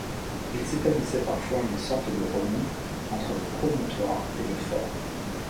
Il s’établissait parfois une sorte de remous entre le promontoire et le fort.